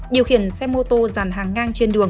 điều khiển xe mô tô giàn hàng ngang trên đường